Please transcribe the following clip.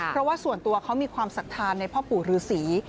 เพราะว่าส่วนตัวเขามีความศรัทธาในพ่อปู่ฤษี